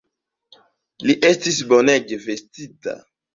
Li estis bonege vestita!